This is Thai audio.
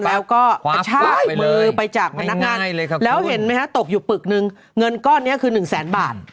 แล้วก็กระชากมือไปจากพนักงานแล้วเห็นไหมฮะตกอยู่ปึกนึงเงินก้อนนี้คือ๑แสนบาท